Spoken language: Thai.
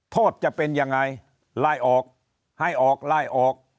โทษจะเป็นยังไงไล่ออกให้ออกไล่ออก